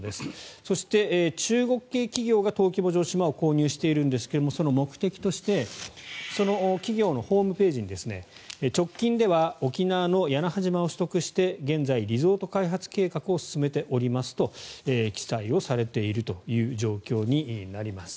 そして、中国系企業が登記簿上島を購入しているんですがその目的としてその企業のホームページに直近では沖縄の屋那覇島を取得して現在、リゾート開発計画を進めておりますと記載をされているという状況になります。